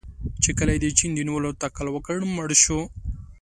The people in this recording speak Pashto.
چې کله یې د چین د نیولو تکل وکړ، مړ شو.